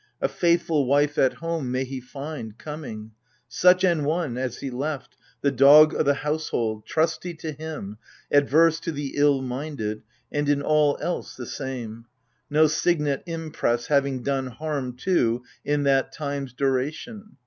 A faithful wife at home may he find, coming ! Such an one as he left — the dog o' the household — Trusty to him, adverse to the ill minded, And, in all else, the same : no signet impress Having done harm to, in that time's duration.